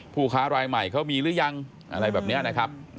ผู้ค้ารายใหม่เขามีหรือยังอะไรแบบนี้นะครับ